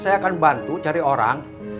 saya akan bantu cari orang